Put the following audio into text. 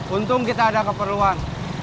untung kita ada keperluan